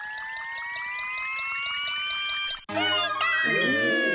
ついた！